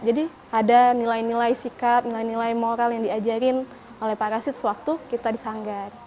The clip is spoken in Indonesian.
jadi ada nilai nilai sikap nilai nilai moral yang diajarin oleh pak rashid sewaktu kita disanggar